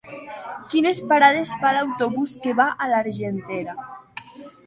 Quines parades fa l'autobús que va a l'Argentera?